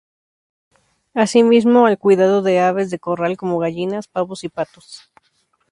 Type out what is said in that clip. Así mismo al cuidado de aves de corral como gallinas, pavos y patos.